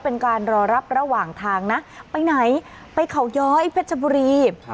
เป็นการรอรับระหว่างทางนะไปไหนไปเขาย้อยเพชรบุรี